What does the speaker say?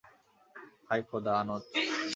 হায় খোদা, আনোচ!